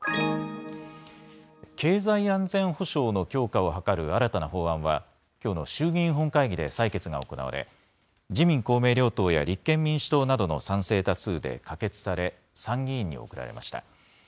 経済安全保障の強化を図る新たな法案は、きょうの衆議院本会議で採決が行われ、自民、公明両党や立憲民主党などの賛成多数で可決され、参議院に送られました。